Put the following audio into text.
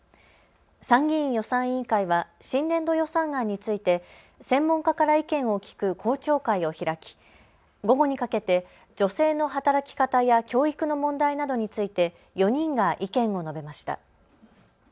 参議院予算委員会は新年度予算案について専門家から意見を聞く公聴会を開き午後にかけて女性の働き方や教育の問題などについて４人が意見を述べました。